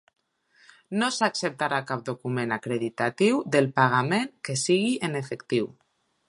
No s'acceptarà cap document acreditatiu del pagament que sigui en efectiu.